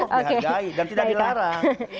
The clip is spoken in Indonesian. harus dihargai dan tidak dilarang